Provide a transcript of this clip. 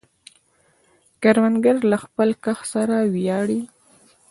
کروندګر له خپل کښت څخه ویاړي